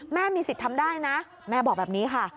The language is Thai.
แม่มีสิทธิ์ทำได้นะแม่บอกแบบนี้ค่ะ